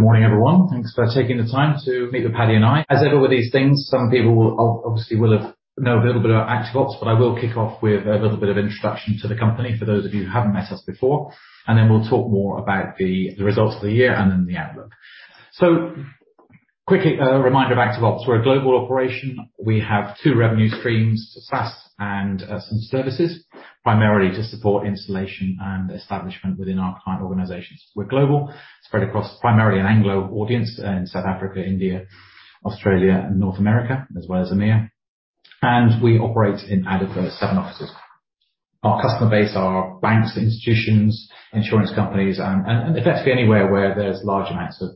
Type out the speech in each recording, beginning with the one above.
Good morning, everyone. Thanks for taking the time to meet with Paddy and I. As with all these things, some people will obviously will have know a little bit about ActiveOps, but I will kick off with a little bit of introduction to the company, for those of you who haven't met us before, and then we'll talk more about the results of the year and then the outlook. Quickly, a reminder of ActiveOps. We're a Global Operation. We have two revenue streams, SaaS and some services, primarily to support installation and establishment within our Client Organizations. We're global, spread across primarily an Anglo audience in South Africa, India, Australia, and North America, as well as EMEA, and we operate in out of seven offices. Our customer base are Banks, Institutions, Insurance Companies, and effectively anywhere where there's large amounts of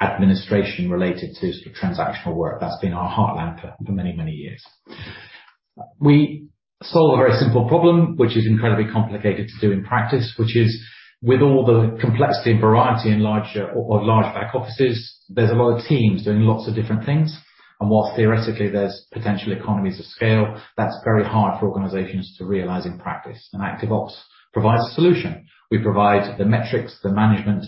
Administration related to sort of transactional work. That's been our heartland for many years. We solve a very simple problem, which is incredibly complicated to do in practice, which is, with all the complexity and variety in larger or large back Offices, there's a lot of Teams doing lots of different things, and while theoretically there's potential economies of scale, that's very hard for organizations to realize in practice, ActiveOps provides a solution. We provide the metrics, the management,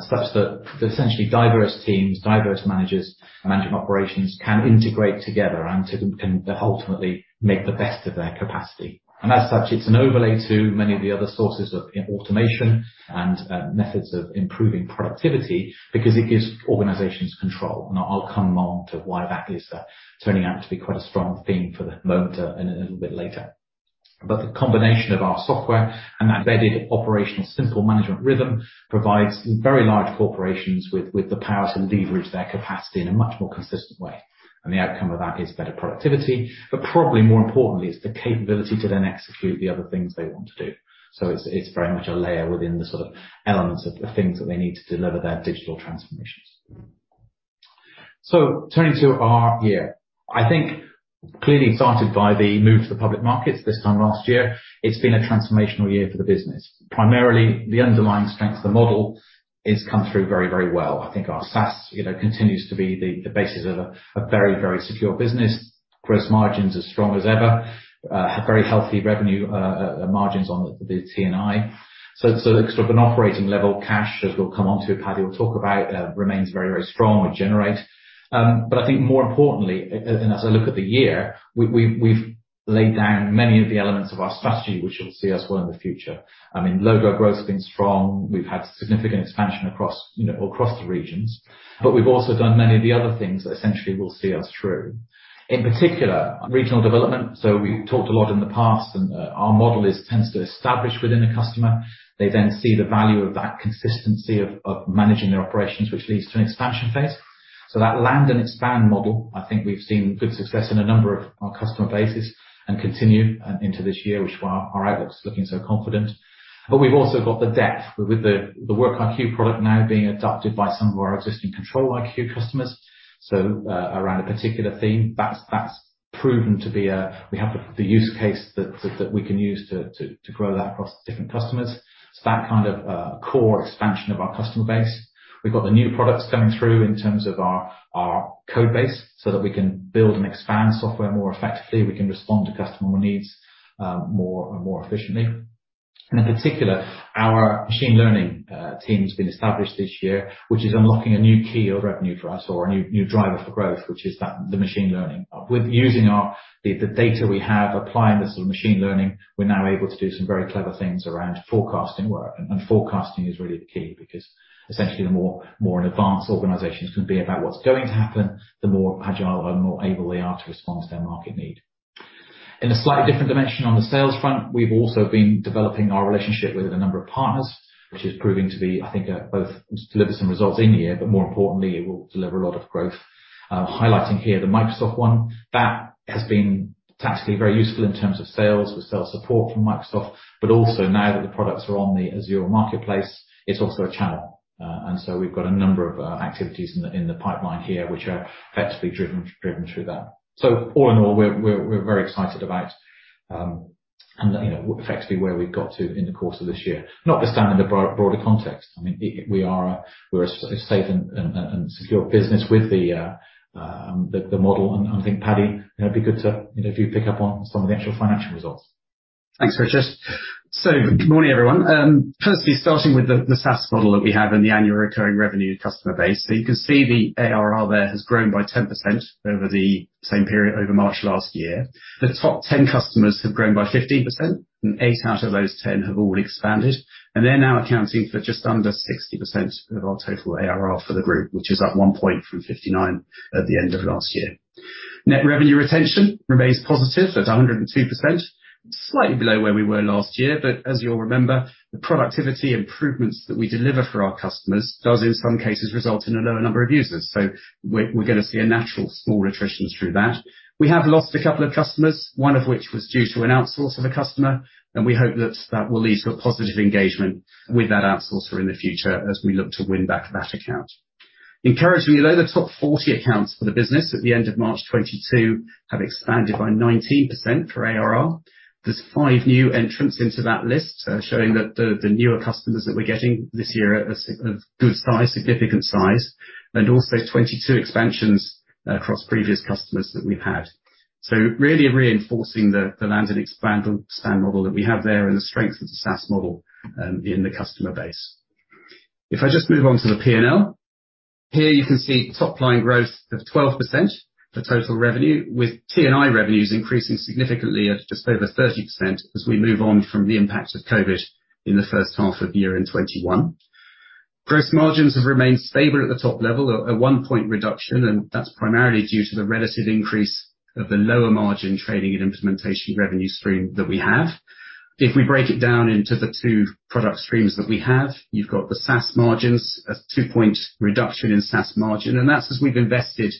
such that essentially diverse teams, diverse managers, management operations, can integrate together, can ultimately make the best of their capacity. As such, it's an overlay to many of the other sources of automation and methods of improving productivity because it gives organizations control. I'll come on to why that is turning out to be quite a strong theme for the moment a little bit later. The combination of our software and that embedded operational simple management rhythm provides very large corporations with the power to leverage their capacity in a much more consistent way, and the outcome of that is better productivity. Probably more importantly, it's the capability to then execute the other things they want to do. It's, it's very much a layer within the sort of elements of the things that they need to deliver their digital transformations. Turning to our year. I think clearly excited by the move to the public markets this time last year, it's been a transformational year for the business. Primarily, the underlying strength of the model has come through very well. I think our SaaS, you know, continues to be the basis of a very secure business. Gross margins as strong as ever, very healthy revenue margins on the T&I. Sort of an Pperating level, cash, as we'll come on to, Paddy will talk about, remains very strong with generate. I think more importantly, and as I look at the year, we've laid down many of the elements of our strategy, which you'll see us well in the future. I mean, Logo growth has been strong. We've had significant expansion across, you know, across the regions, but we've also done many of the other things that essentially will see us through. In particular, regional development. We've talked a lot in the past, and our model is tends to establish within a customer. They then see the value of that consistency of managing their operations, which leads to an expansion phase. That land and expand model, I think we've seen good success in a number of our customer bases and continue into this year, which is why our outlook is looking so confident. We've also got the depth with the WorkiQ product now being adopted by some of our existing ControliQ customers. Around a particular theme, that's proven to be a. We have the use case that we can use to grow that across different customers. It's that kind of core expansion of our customer base. We've got the new products coming through in terms of our code base, so that we can build and expand software more effectively, we can respond to customer needs, more and more efficiently. In particular, our machine learning team has been established this year, which is unlocking a new key of revenue for us, or a new driver for growth, which is that, the machine learning. With using the data we have, applying the sort of machine learning, we're now able to do some very clever things around forecasting work. Forecasting is really the key, because essentially, the more an advanced organizations can be about what's going to happen, the more agile and more able they are to respond to their market need. In a slightly different dimension on the sales front, we've also been developing our relationship with a number of partners, which is proving to be, I think, both deliver some results in a year, but more importantly, it will deliver a lot of growth. Highlighting here the Microsoft One, that has been tactically very useful in terms of sales, with sales support from Microsoft, but also now that the products are on the Azure Marketplace, it's also a channel. We've got a number of activities in the pipeline here, which are effectively driven through that. All in all, we're very excited about, and, you know, effectively where we've got to in the course of this year, notwithstanding the broader context. I mean, we're a safe and secure business with the model. I think, Paddy, it would be good to, you know, if you pick up on some of the actual financial results. Thanks, Richard. Good morning, everyone. Firstly, starting with the SaaS model that we have and the annual recurring revenue customer base. You can see the ARR there has grown by 10% over the same period, over March last year. The top 10 customers have grown by 15%, and eight out of those 10 have all expanded, and they're now accounting for just under 60% of our total ARR for the group, which is up one point from 59 at the end of last year. Net revenue retention remains positive at 102%, slightly below where we were last year, but as you'll remember, the productivity improvements that we deliver for our customers does, in some cases, result in a lower number of users. We're gonna see a natural small attrition through that. We have lost a couple of customers, one of which was due to an outsource of a customer. We hope that that will lead to a positive engagement with that outsourcer in the future as we look to win back that account. Encouragingly, though, the top 40 accounts for the business at the end of March 2022 have expanded by 19% for ARR. There's 5 new entrants into that list, showing that the newer customers that we're getting this year are of significant size, and also 22 expansions across previous customers that we've had. Really reinforcing the land and expand model that we have there, and the strength of the SaaS model in the customer base. If I just move on to the P&L. Here, you can see top line growth of 12% for total revenue, with T&I revenues increasing significantly at just over 30% as we move on from the impact of COVID in the first half of the year in 2021. Gross margins have remained stable at the top level, a one-point reduction, and that's primarily due to the relative increase of the lower margin Training and Implementation revenue stream that we have. If we break it down into the two product streams that we have, you've got the SaaS margins, a two-point reduction in SaaS margin, and that's as we've invested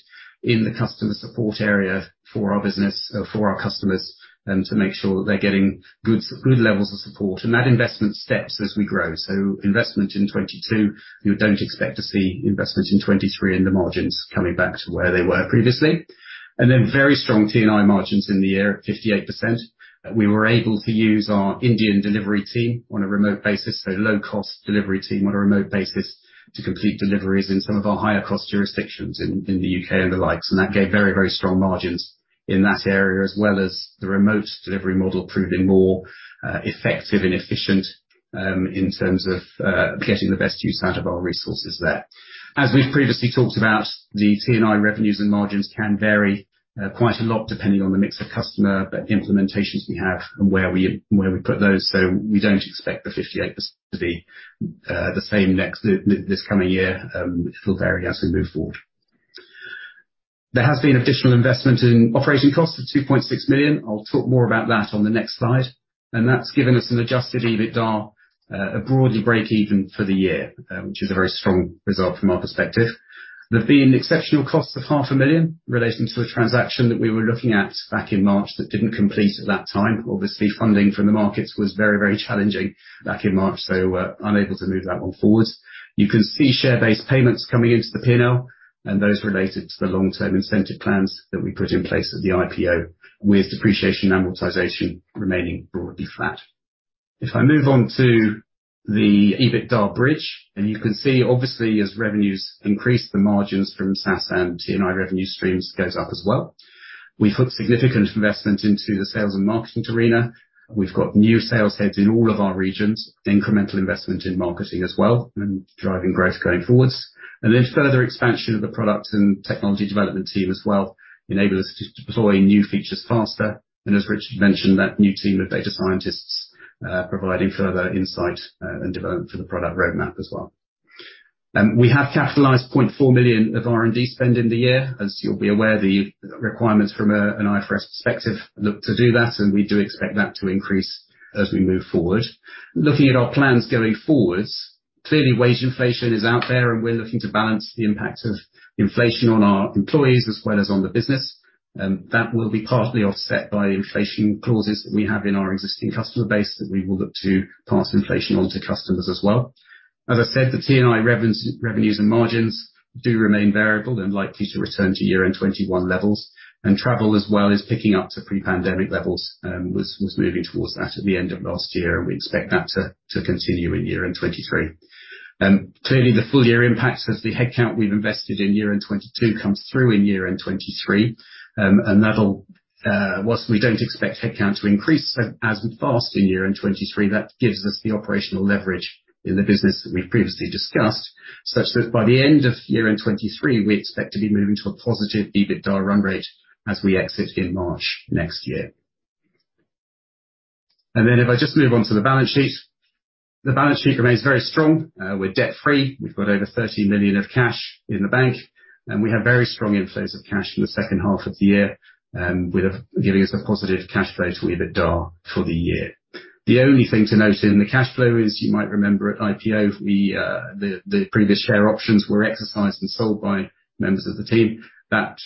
in the customer support area for our business, for our customers, to make sure that they're getting good levels of support. That investment steps as we grow, so investment in 2022, you don't expect to see investment in 2023 in the margins coming back to where they were previously. Then very strong T&I margins in the year, at 58%. We were able to use our Indian delivery team on a remote basis, so low-cost delivery team on a remote basis, to complete deliveries in some of our higher cost jurisdictions in the U.K. and the likes. That gave very, very strong margins in that area, as well as the remote delivery model proving more effective and efficient in terms of getting the best use out of our resources there. As we've previously talked about, the T&I revenues and margins can vary quite a lot, depending on the mix of customer, the implementations we have and where we put those, so we don't expect the 58% to be the same next this coming year. It will vary as we move forward. There has been additional investment in operating costs of 2.6 million. I'll talk more about that on the next slide. That's given us an Adjusted EBITDA broadly breakeven for the year, which is a very strong result from our perspective. There've been exceptional costs of half a million GBP relating to a transaction that we were looking at back in March that didn't complete at that time. Obviously, funding from the markets was very, very challenging back in March, so we were unable to move that one forward. You can see share-based payments coming into the P&L, those related to the long-term incentive plans that we put in place at the IPO, with depreciation and amortization remaining broadly flat. If I move on to the EBITDA bridge, you can see, obviously, as revenues increase, the margins from SaaS and T&I revenue streams goes up as well. We've put significant investment into the sales and marketing arena. We've got new sales heads in all of our regions, incremental investment in marketing as well, driving growth going forwards. Further expansion of the product and technology development team as well, enable us to deploy new features faster, as Richard mentioned, that new team of data scientists, providing further insight, and development for the product roadmap as well. We have capitalized 0.4 million of R&D spend in the year. As you'll be aware, the requirements from an IFRS perspective look to do that. We do expect that to increase as we move forward. Looking at our plans going forward, clearly wage inflation is out there. We're looking to balance the impact of inflation on our Employees as well as on the business. That will be partly offset by inflation clauses that we have in our existing customer base, that we will look to pass inflation on to customers as well. As I said, the T&I revenues and margins do remain variable and likely to return to year-end 2021 levels. Travel, as well, is picking up to pre-pandemic levels, was moving towards that at the end of last year. We expect that to continue in year-end 2023. Clearly, the full year impact, as the headcount we've invested in year-end 2022 comes through in year-end 2023, and that'll, whilst we don't expect headcount to increase as fast in year-end 2023, that gives us the operational leverage in the business that we've previously discussed, such that by the end of year-end 2023, we expect to be moving to a positive EBITDA run rate as we exit in March next year. Then, if I just move on to the balance sheet, the balance sheet remains very strong. We're debt-free. We've got over 30 million of cash in the bank, and we have very strong inflows of cash in the second half of the year, giving us a positive cash flow to EBITDA for the year. The only thing to note in the cash flow is, you might remember at IPO, the previous share options were exercised and sold by members of the team. That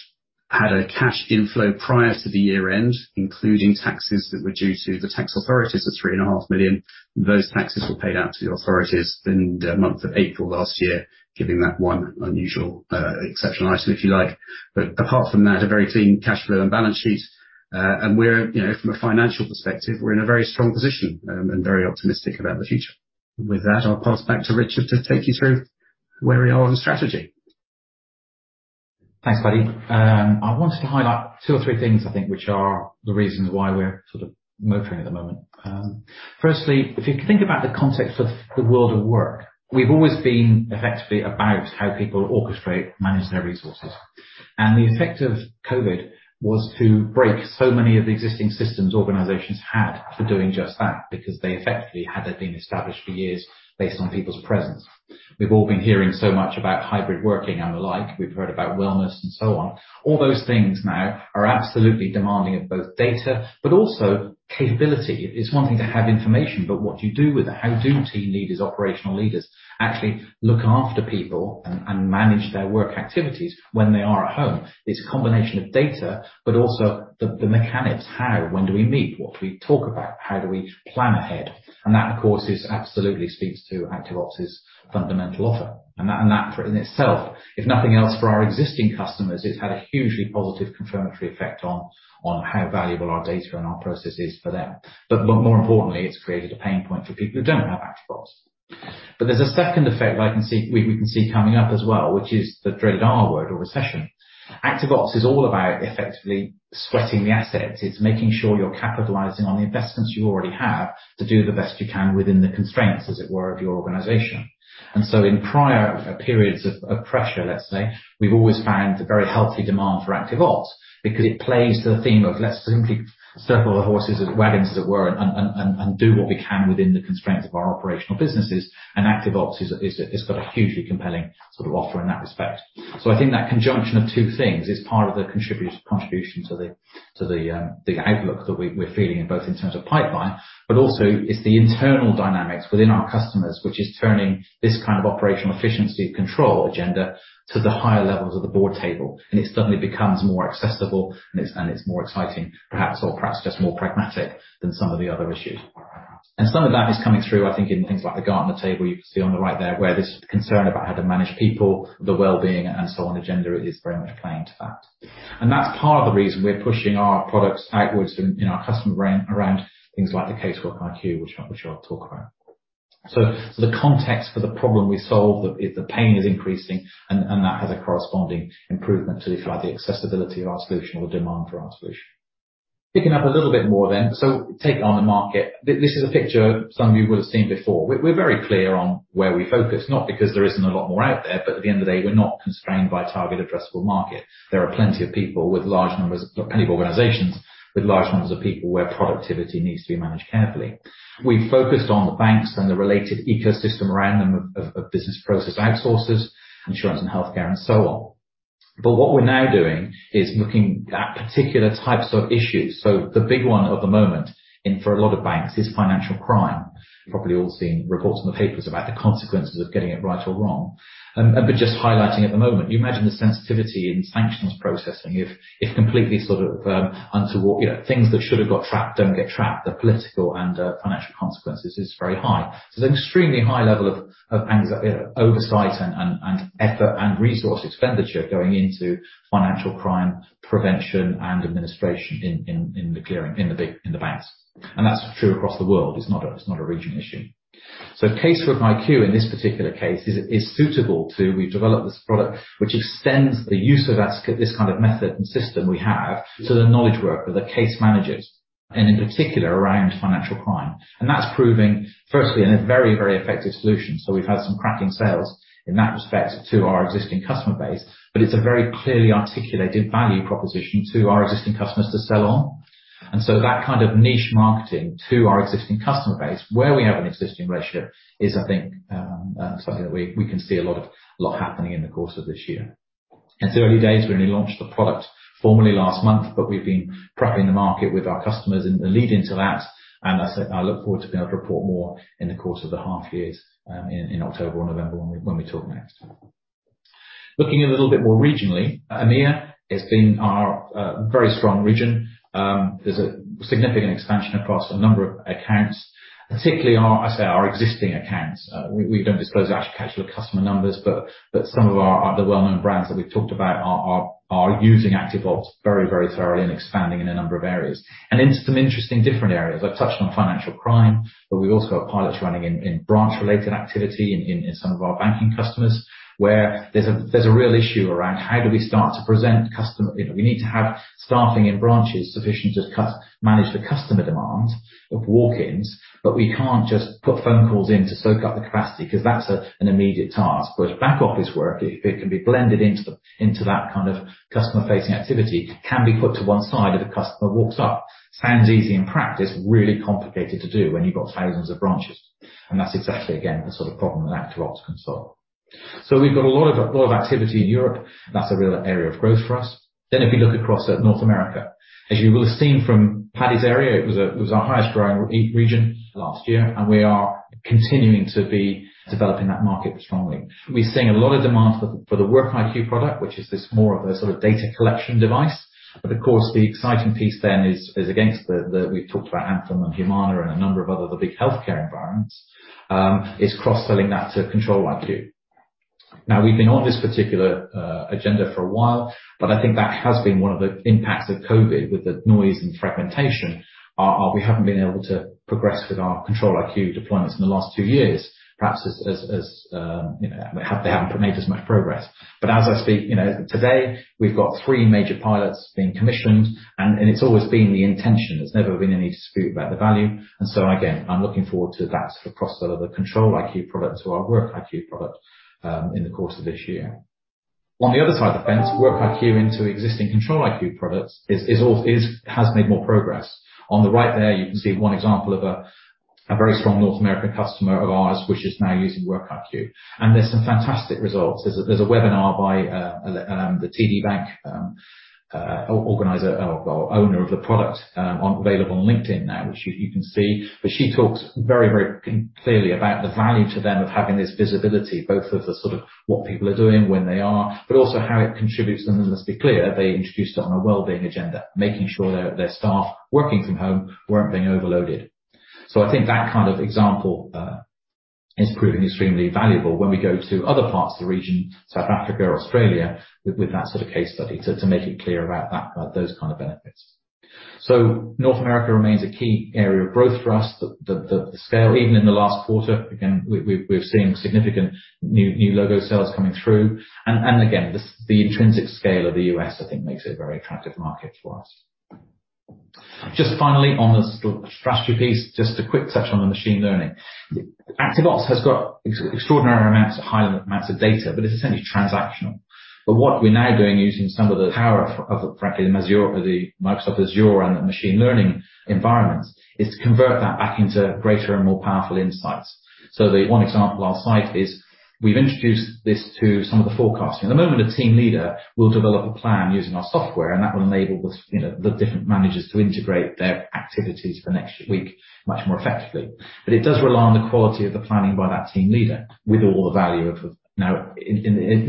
had a cash inflow prior to the year end, including taxes that were due to the tax authorities of three and a half million. Those taxes were paid out to the authorities in the month of April last year, giving that one unusual, exceptional item, if you like. Apart from that, a very clean cash flow and balance sheet, and we're, you know, from a financial perspective, we're in a very strong position, and very optimistic about the future. With that, I'll pass back to Richard to take you through where we are on strategy. Thanks, Paddy. I wanted to highlight two or three things I think, which are the reasons why we're sort of motoring at the moment. Firstly, if you think about the context of the world of work, we've always been effectively about how people orchestrate, manage their resources. The effect of COVID was to break so many of the existing systems organizations had for doing just that, because they effectively had been established for years based on people's presence. We've all been hearing so much about hybrid working and the like. We've heard about wellness and so on. All those things now are absolutely demanding of both data, but also capability. It's one thing to have information, but what do you do with it? How do team leaders, operational leaders, actually look after people and manage their work activities when they are at home? It's a combination of data, but also the mechanics: How? When do we meet? What do we talk about? How do we plan ahead? That, of course, is absolutely speaks to ActiveOps' fundamental offer, and that in itself, if nothing else, for our existing customers, it's had a hugely positive confirmatory effect on how valuable our data and our process is for them. More importantly, it's created a pain point for people who don't have ActiveOps. There's a second effect we can see coming up as well, which is the dreaded R-word or recession. ActiveOps is all about effectively sweating the assets. It's making sure you're capitalizing on the investments you already have, to do the best you can within the constraints, as it were, of your organization. In prior periods of pressure, let's say, we've always found a very healthy demand for ActiveOps, because it plays to the theme of let's simply circle the horses and wagons, as it were, and do what we can within the constraints of our operational businesses. ActiveOps is got a hugely compelling sort of offer in that respect. I think that conjunction of two things is part of the contribution to the outlook that we're feeling in both in terms of pipeline, but also it's the internal dynamics within our customers, which is turning this kind of operational efficiency of control agenda to the higher levels of the board table, and it suddenly becomes more accessible, and it's more exciting, perhaps, or perhaps just more pragmatic than some of the other issues. Some of that is coming through, I think, in things like the Gartner table you can see on the right there, where there's concern about how to manage people, the well-being, and so on agenda, it is very much playing to that. That's part of the reason we're pushing our products outwards in our customer range around things like the CaseworkiQ, which I'll talk about. The context for the problem we solve, the pain is increasing, and that has a corresponding improvement to the, kind of, the accessibility of our solution or the demand for our solution. Picking up a little bit more then. Take on the market. This is a picture some of you will have seen before. We're very clear on where we focus, not because there isn't a lot more out there, but at the end of the day, we're not constrained by target addressable market. There are Plenty of organizations, with large numbers of people, where productivity needs to be managed carefully. We've focused on the banks and the related ecosystem around them, of business process outsourcers, insurance and healthcare and so on. What we're now doing is looking at particular types of issues. The big one of the moment in for a lot of banks, is financial crime. You've probably all seen reports in the papers about the consequences of getting it right or wrong. Just highlighting at the moment, you imagine the sensitivity in sanctions processing, if completely sort of untoward. You know, things that should have got trapped, don't get trapped, the political and financial consequences is very high. There's an extremely high level of oversight and effort and resource expenditure going into financial crime prevention and administration in the clearing, in the banks. That's true across the world. It's not a, it's not a region issue. CaseworkiQ, in this particular case, is suitable. We've developed this product, which extends the use of this kind of method and system we have, to the knowledge worker, the case managers, and in particular, around financial crime. That's proving, firstly, in a very effective solution. We've had some cracking sales, in that respect, to our existing customer base, but it's a very clearly articulated value proposition to our existing customers to sell on. That kind of niche marketing to our existing customer base, where we have an existing relationship, is, I think, something that we can see a lot happening in the course of this year. It's early days, we only launched the product formally last month, but we've been prepping the market with our customers in the lead into that, and I said I look forward to being able to report more in the course of the half year, in October or November, when we talk next. Looking a little bit more regionally, EMEA has been our very strong region. There's a significant expansion across a number of accounts, particularly our, I say, our existing accounts. We don't disclose actual customer numbers, but some of our, the well-known brands that we've talked about are using ActiveOps very thoroughly and expanding in a number of areas. Into some interesting different areas. I've touched on financial crime. We've also got pilots running in branch-related activity, in some of our banking customers, where there's a real issue around how do we start to present You know, we need to have staffing in branches sufficient to manage the customer demand of walk-ins, but we can't just put phone calls in to soak up the capacity, 'cause that's an immediate task. Whereas back office work, it can be blended into the, into that kind of customer-facing activity, can be put to one side if a customer walks up. Sounds easy, in practice, really complicated to do when you've got thousands of branches. That's exactly, again, the sort of problem that ActiveOps can solve. We've got a lot of activity in Europe. That's a real area of growth for us. If you look across at North America, as you will have seen from Paddy's area, it was our highest growing region last year, and we are continuing to be developing that market strongly. We're seeing a lot of demand for the, for the WorkiQ product, which is this more of a sort of data collection device. Of course, the exciting piece then is against the, we've talked about Anthem and Humana, and a number of other, the big healthcare environments, is cross-selling that to ControliQ. We've been on this particular agenda for a while, but I think that has been one of the impacts of COVID with the noise and fragmentation, we haven't been able to progress with our ControliQ deployments in the last two years. Perhaps as, as, you know, they haven't made as much progress. As I speak, you know, today, we've got three major pilots being commissioned, and it's always been the intention. There's never been any dispute about the value. Again, I'm looking forward to that, the cross-sell of the ControliQ product to our WorkiQ product in the course of this year. On the other side of the fence, WorkiQ into existing ControliQ products is, has made more progress. On the right there, you can see one example of a very strong North American customer of ours, which is now using WorkiQ, and there's some fantastic results. There's a, there's a webinar by the TD Bank organizer or owner of the product on. Available on LinkedIn now, which you can see. She talks very, very clearly about the value to them of having this visibility, both of the sort of what people are doing, when they are, but also how it contributes to them. Let's be clear, they introduced it on a well-being agenda, making sure their staff working from home weren't being overloaded. I think that kind of example is proving extremely valuable when we go to other parts of the region, South Africa or Australia, with that sort of case study, to make it clear about that those kind of benefits. North America remains a key area of growth for us. The scale, even in the last quarter, again, we've seen significant new logo sales coming through. Again, the intrinsic scale of the U.S., I think, makes it a very attractive market for us. Just finally, on the strategy piece, just a quick touch on the machine learning. ActiveOps has got extraordinary amounts of high amounts of data, but it's essentially transactional. What we're now doing, using some of the power of frankly, Azure, the Microsoft Azure and the machine learning environments, is to convert that back into greater and more powerful insights. The one example I'll cite is, we've introduced this to some of the forecasting. At the moment, a team leader will develop a plan using our software, and that will enable the, you know, the different managers to integrate their activities for next week much more effectively. It does rely on the quality of the planning by that team leader, with all the value of. With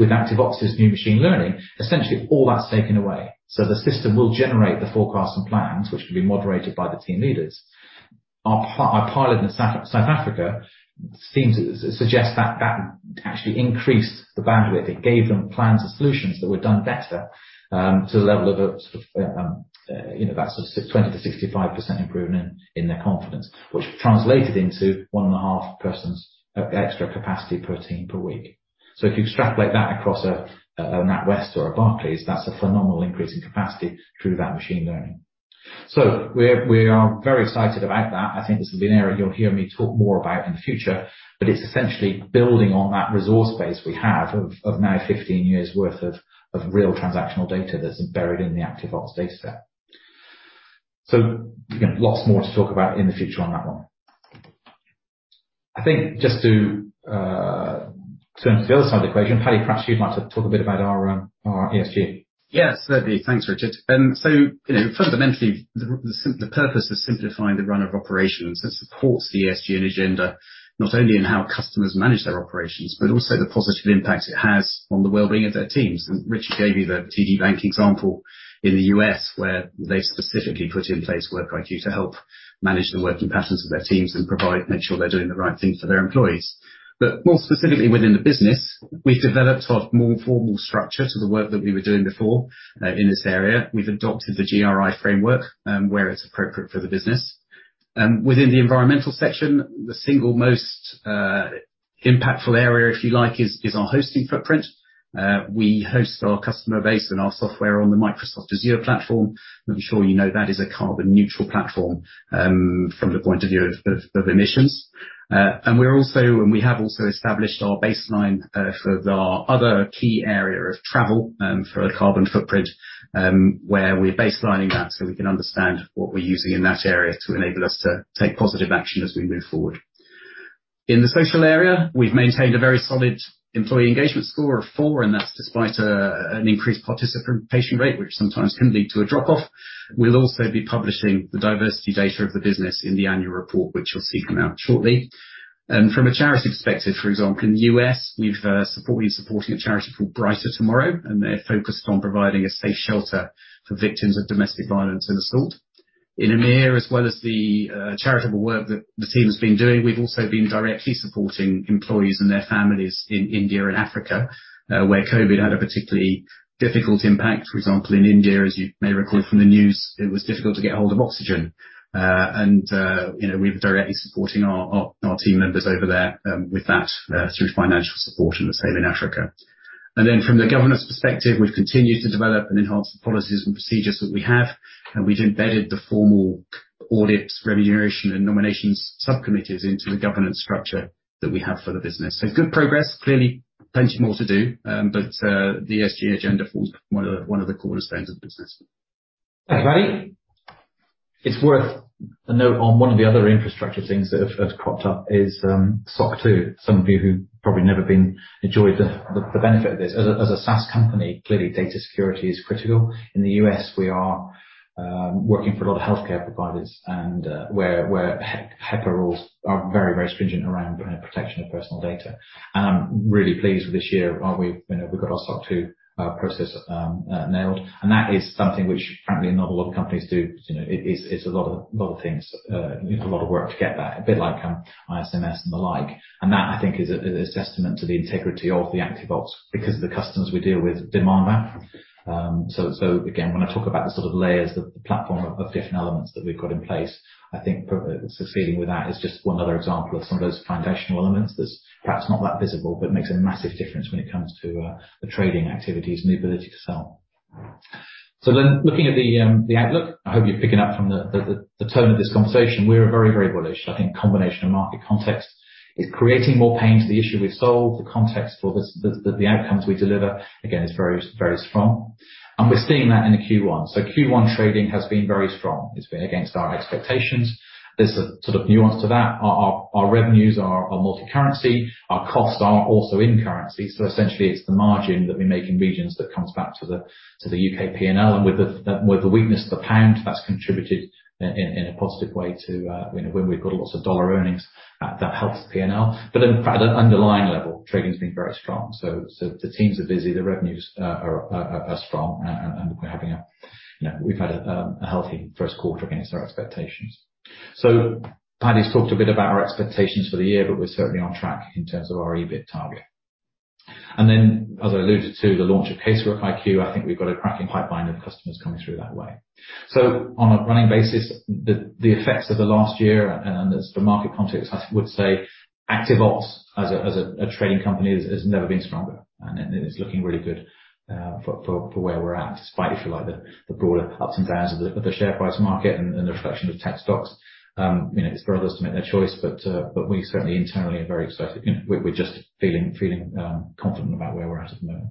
ActiveOps' new machine learning, essentially all that's taken away. The system will generate the forecast and plans, which can be moderated by the team leaders. Our pilot in South Africa seems to suggest that that actually increased the bandwidth. It gave them plans and solutions that were done better to the level of a, sort of, you know, about 20%-65% improvement in their confidence, which translated into one and a half persons extra capacity per team per week. If you extrapolate that across a NatWest or a Barclays, that's a phenomenal increase in capacity through that machine learning. We are very excited about that. I think this will be an area you'll hear me talk more about in the future, but it's essentially building on that resource base we have of now 15 years worth of real transactional data that's embedded in the ActiveOps data set. Again, lots more to talk about in the future on that one. Just to turn to the other side of the equation, Paddy, perhaps you'd like to talk a bit about our ESG? Yes, certainly. Thanks, Richard. Fundamentally, the purpose of simplifying the run of operations, that supports the ESG and agenda, not only in how customers manage their operations, but also the positive impact it has on the well-being of their teams. Richard gave you the TD Bank example in the U.S., where they specifically put in place WorkiQ to help manage the working patterns of their teams and make sure they're doing the right thing for their employees. More specifically within the business, we've developed a more formal structure to the work that we were doing before in this area. We've adopted the GRI framework, where it's appropriate for the business. Within the environmental section, the single most impactful area, if you like, is our hosting footprint. We host our customer base and our software on the Microsoft Azure platform. I'm sure you know that is a carbon neutral platform from the point of view of emissions. We have also established our baseline for the other key area of travel for a carbon footprint where we're baselining that, so we can understand what we're using in that area to enable us to take positive action as we move forward. In the social area, we've maintained a very solid employee engagement score of four, and that's despite an increased participant participation rate, which sometimes can lead to a drop-off. We'll also be publishing the diversity data of the business in the annual report, which you'll see come out shortly. From a charity perspective, for example, in the U.S., we've supporting a charity called Brighter Tomorrow, and they're focused on providing a safe shelter for victims of domestic violence and assault. In EMEA, as well as the charitable work that the team has been doing, we've also been directly supporting employees and their families in India and Africa, where COVID had a particularly difficult impact. For example, in India, as you may recall from the news, it was difficult to get hold of oxygen. You know, we're directly supporting our team members over there, with that, through financial support and the same in Africa. From the governance perspective, we've continued to develop and enhance the policies and procedures that we have, and we've embedded the formal audits, remuneration, and nominations subcommittees into the governance structure that we have for the business. Good progress. Clearly, plenty more to do, but the ESG agenda forms one of the cornerstones of the business. Thanks, Paddy. It's worth a note on one of the other infrastructure things that have cropped up is SOC 2. Some of you who probably never enjoyed the benefit of this. As a SaaS company, clearly data security is critical. In the U.S., we are working for a lot of healthcare providers, and where HIPAA rules are very, very stringent around the protection of personal data. I'm really pleased with this year, we, you know, we've got our SOC 2 process nailed, and that is something which frankly, not a lot of companies do. You know, it's a lot of things, a lot of work to get that. A bit like ISMS and the like. That, I think, is a testament to the integrity of ActiveOps, because the customers we deal with demand that. Again, when I talk about the sort of layers, the platform of different elements that we've got in place, I think succeeding with that is just one other example of some of those foundational elements that's perhaps not that visible, but makes a massive difference when it comes to the trading activities and the ability to sell. Looking at the outlook, I hope you're picking up from the tone of this conversation, we're very, very bullish. I think combination of market context is creating more pain to the issue we've solved. The context for the outcomes we deliver, again, is very, very strong, and we're seeing that in the Q1. Q1 trading has been very strong. It's been against our expectations. There's a sort of nuance to that. Our revenues are multicurrency. Our costs are also in currency. Essentially, it's the margin that we make in regions that comes back to the U.K. PNL, and with the weakness of the pound, that's contributed in a positive way to, you know, when we've got lots of dollar earnings, that helps the PNL. At an underlying level, trading has been very strong. The teams are busy, the revenues are strong, and you know, we've had a healthy first quarter against our expectations. Paddy's talked a bit about our expectations for the year. We're certainly on track in terms of our EBIT target. As I alluded to, the launch of CaseworkiQ, I think we've got a cracking pipeline of customers coming through that way. On a running basis, the effects of the last year and as for market context, I would say ActiveOps as a trading company, has never been stronger, and it's looking really good for where we're at, despite, if you like, the broader ups and downs of the share price market and the reflection of tech stocks. You know, it's for others to make their choice, but we certainly internally are very excited. We're just feeling confident about where we're at at the moment.